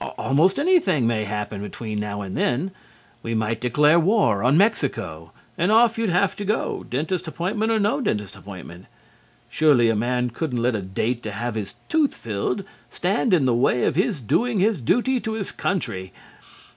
Almost anything may happen between now and then. We might declare war on Mexico, and off you'd have to go, dentist appointment or no dentist appointment. Surely a man couldn't let a date to have a tooth filled stand in the way of his doing his duty to his country.